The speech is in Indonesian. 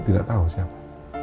tidak tahu siapa